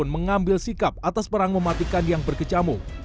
mengambil sikap atas perang mematikan yang berkecamu